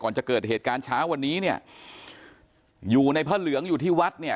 จะเกิดเหตุการณ์เช้าวันนี้เนี่ยอยู่ในพระเหลืองอยู่ที่วัดเนี่ย